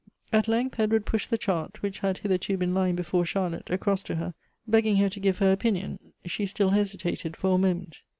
At length Edward pushed the chart, which had hitherto been lying before Charlotte, across to her, begging her to give her opinion; she still hesitated for a moment.